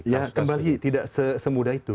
ya kembali tidak semudah itu